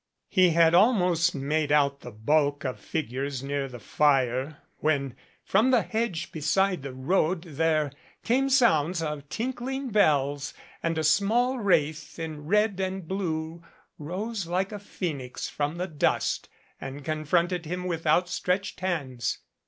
He had almost made out the bulk of figures near the fire when from the hedge beside the road there came sounds of tinkling bells and a small wraith in red and blue rose like a Phoenix from the dust and confronted him with outstretched hands.